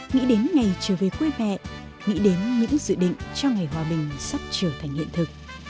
nghĩ đến ngày trở về quê mẹ nghĩ đến những dự định cho ngày hòa bình sắp trở thành hiện thực